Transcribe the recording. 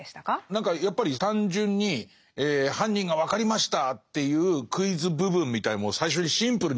何かやっぱり単純に犯人が分かりましたっていうクイズ部分みたいのも最初にシンプルに書いて。